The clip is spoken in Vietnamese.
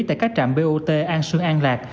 tại các trạm bot an sương an lạc